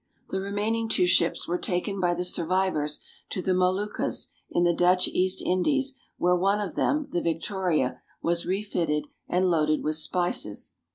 The remaining two ships were taken by the survivors to the Moluccas in the Dutch East Indies, where one of them, the Victoria^ was refitted and loaded with spices.